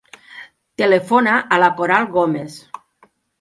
Telefona a la Coral Gomez.